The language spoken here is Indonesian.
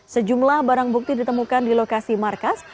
sejumlah barang bukti ditemukan di lokasi markas